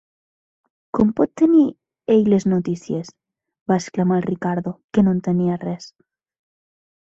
"Com pot tenir ell les notícies?", va exclamar el Ricardo, que no entenia res.